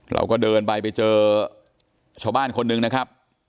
เราก็เดินไปไปเจอชาวบ้านคนหนึ่งนะครับ